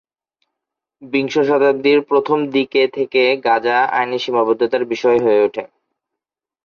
বিংশ শতাব্দীর প্রথম দিকে থেকে, গাঁজা আইনি সীমাবদ্ধতার বিষয় হয়ে ওঠে।